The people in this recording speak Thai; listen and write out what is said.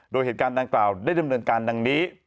โดยเหตุการณ์ดังกล่าวได้ดำเนินการดังนี้